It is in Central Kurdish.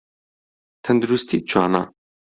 تەندروستیت چۆنە؟